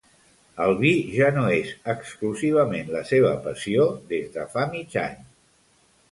El vi ja no és exclusivament la seva passió des de fa mig any.